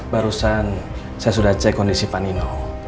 barusan saya sudah cek kondisi pak ino